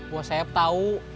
bos saya tau